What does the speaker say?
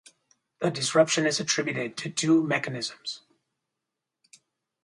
The disruption is attributed to two mechanisms.